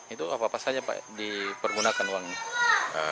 itu apa apa saja pak dipergunakan uangnya